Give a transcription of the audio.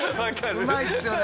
うまいですよね